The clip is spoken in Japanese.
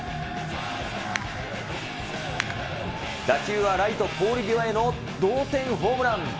打球はライトポール際への同点ホームラン。